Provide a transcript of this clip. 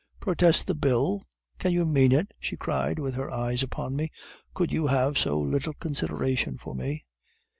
"'"Protest the bill! Can you mean it?" she cried, with her eyes upon me; "could you have so little consideration for me?"